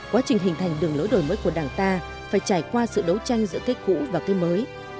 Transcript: quá trình hình thành đường lối đổi mới của đảng ta phải trải qua sự đấu tranh giữa cây cũ và cây mới